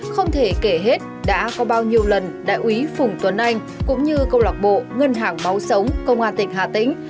không thể kể hết đã có bao nhiêu lần đại úy phùng tuấn anh cũng như câu lạc bộ ngân hàng máu sống công an tỉnh hà tĩnh